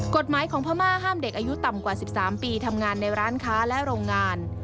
กฎหมายของพม่าห้ามเด็กอายุต่ำกว่า๑๓ปีทำงานในร้านค้าและโรงงาน